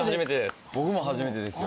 僕も初めてです。